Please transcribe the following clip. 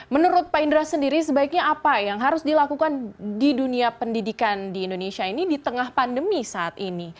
menurut pak indra sendiri sebaiknya apa yang harus dilakukan di dunia pendidikan di indonesia ini di tengah pandemi saat ini